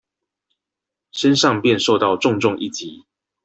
身上便受到重重一擊